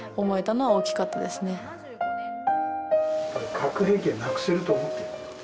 核兵器はなくせると思ってる？